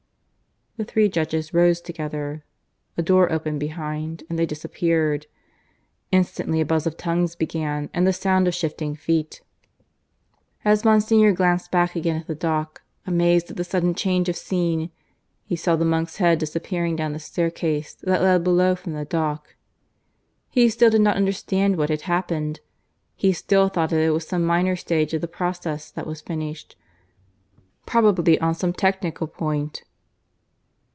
The three judges rose together; a door opened behind and they disappeared. Instantly a buzz of tongues began and the sound of shifting feet. As Monsignor glanced back again at the dock, amazed at the sudden change of scene, he saw the monk's head disappearing down the staircase that led below from the dock. He still did not understand what had happened. He still thought that it was some minor stage of the process that was finished, probably on some technical point.